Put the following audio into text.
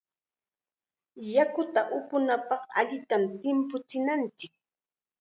Yakuta upunapaqqa allitam timpuchinanchik.